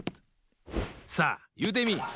さあいうてみい！